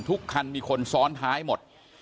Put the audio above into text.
ทุกคันมีคนซ้อนท้ายหมด